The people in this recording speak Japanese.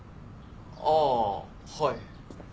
ああはい。